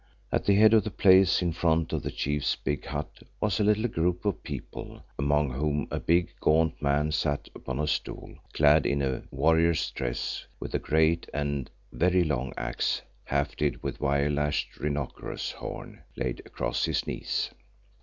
At the head of the place in front of the chief's big hut was a little group of people, among whom a big, gaunt man sat upon a stool clad in a warrior's dress with a great and very long axe hafted with wire lashed rhinoceros horn, laid across his knees.